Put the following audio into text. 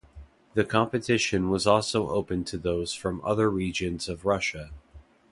The competition was also open to those from other regions of Russia.